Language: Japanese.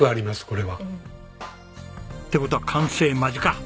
これは。って事は完成間近！